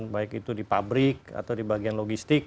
baik itu di pabrik atau di bagian logistik